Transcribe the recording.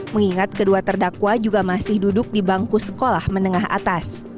mengingat kedua terdakwa juga masih duduk di bangku sekolah menengah atas